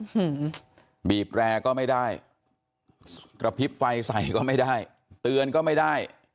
หือบีบแรร์ก็ไม่ได้กระพริบไฟใส่ก็ไม่ได้เตือนก็ไม่ได้